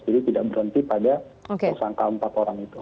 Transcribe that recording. jadi tidak berhenti pada usaha k empat orang itu